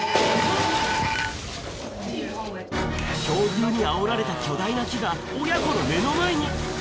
強風にあおられた巨大な木が、親子の目の前に。